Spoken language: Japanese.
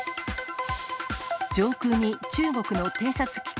上空に中国の偵察気球。